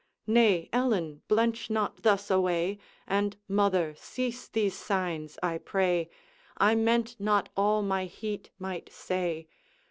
Nay, Ellen, blench not thus away, And, mother, cease these signs, I pray; I meant not all my heat might say.